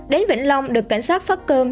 đến vĩnh long được cảnh sát phát cơm